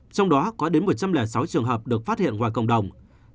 trong đó có đến một trăm linh sáu trường hợp được phát hiện ngoài cộng đồng